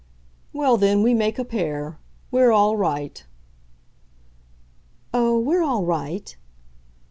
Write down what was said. "Well then, we make a pair. We're all right." "Oh, we're all right!"